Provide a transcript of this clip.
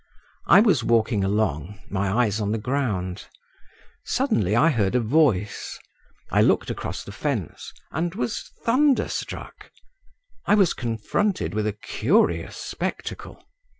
I was walking along, my eyes on the ground. Suddenly I heard a voice; I looked across the fence, and was thunder struck…. I was confronted with a curious spectacle.